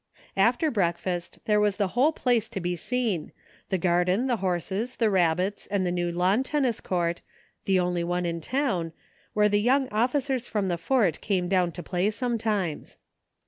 After breakfast there was the whole place to be seen ; the garden, the horses, the rabbits, and the new lawn tennis court, the only one in town, where the young officers from the Fort came down to play some times.